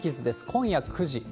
今夜９時。